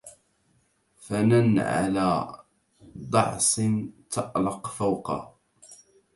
فنن على دعص تألق فوقه